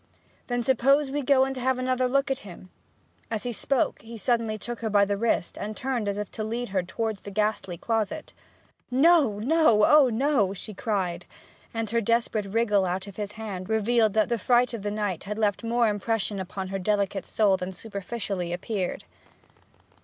'Then suppose we go and have another look at him?' As he spoke, he suddenly took her by the wrist, and turned as if to lead her towards the ghastly closet. 'No no! Oh no!' she cried, and her desperate wriggle out of his hand revealed that the fright of the night had left more impression upon her delicate soul than superficially appeared.